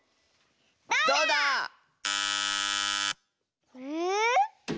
どうだ⁉え。